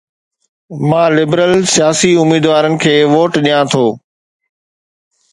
مان لبرل سياسي اميدوارن کي ووٽ ڏيان ٿو